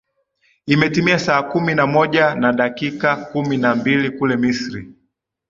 imetimia saa kumi na moja na dakika kumi na mbili kule misri